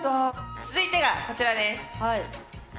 続いてがこちらです。